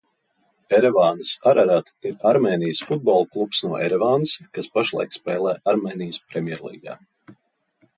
"Erevānas "Ararat" ir Armēnijas futbola klubs no Erevānas, kas pašlaik spēlē Armēnijas Premjerlīgā."